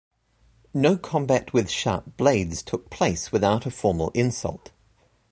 No combat with sharp blades took place without a formal insult.